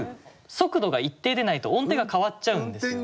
速度が一定でないと音程が変わっちゃうんですよ。